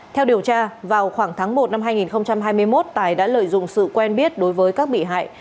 theo điều tra vào khoảng tháng một năm hai nghìn hai mươi một tài đã lợi dụng sự quen biết đối với các bị hại